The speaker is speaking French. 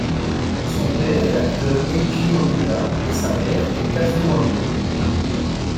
Son père est l'acteur Eiji Okuda, et sa mère est Kazu Ando.